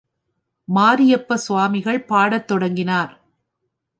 மாரியப்ப சுவாமிகள் பாடத் தொடங்கினார்.